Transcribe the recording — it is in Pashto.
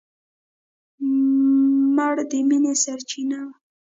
مړه د مینې سرڅینه وه